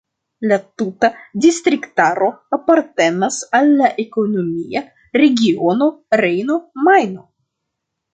La tuta distriktaro apartenas al la ekonomia regiono Rejno-Majno.